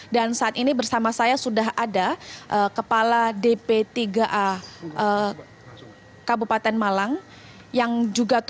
dan saat ini bersama saya sudah ada kepala dp tiga a